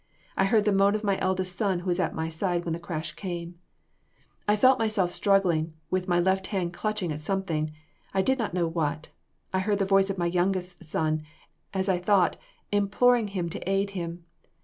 I heard the moan of my eldest son, who was at my side when the crash came. "I felt myself struggling, with my left hand clutching at something, I know not what. I heard the voice of my youngest son, as I thought, imploring me to aid him.